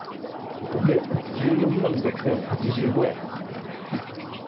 合計１４万６０８５円。